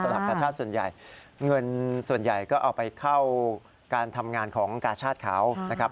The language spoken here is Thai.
หลักกาชาติส่วนใหญ่เงินส่วนใหญ่ก็เอาไปเข้าการทำงานของกาชาติเขานะครับ